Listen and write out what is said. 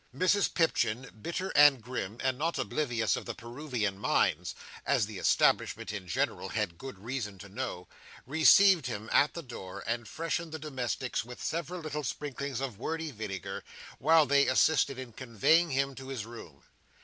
Mrs Pipchin, bitter and grim, and not oblivious of the Peruvian mines, as the establishment in general had good reason to know, received him at the door, and freshened the domestics with several little sprinklings of wordy vinegar, while they assisted in conveying him to his room.